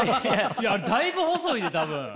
いやだいぶ細いで多分。